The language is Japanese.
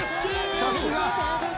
さすが。